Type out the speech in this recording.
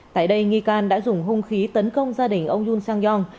tại đây nghi can đã dùng hung khí tấn công gia đình ông yun sang yong